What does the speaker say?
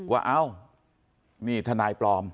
เอ้านี่ทนายปลอม